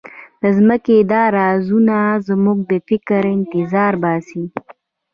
د ځمکې دا رازونه زموږ د فکر انتظار باسي.